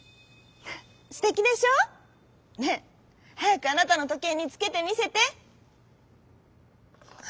「すてきでしょ？ねえはやくあなたのとけいにつけてみせて」。